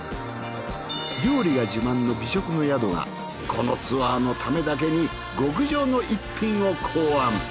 料理が自慢の美食の宿がこのツアーのためだけに極上の一品を考案。